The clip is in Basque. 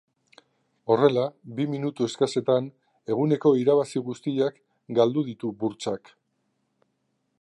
Horrela, bi minutu eskasetan eguneko irabazi guztiak galdu ditu burtsak.